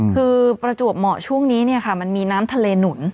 คือประจวบเหมาะช่วงนี้มันมีน้ำทะเลหนุน